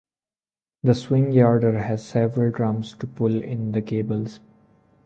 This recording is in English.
The swing yarder has several drums to pull in the cables.